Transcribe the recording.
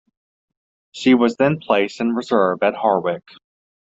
She was then placed in reserve at Harwich.